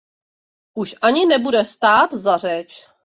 Už ani nebude stát za řeč.